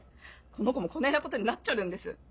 この子もこねぇなことになっちょるんです。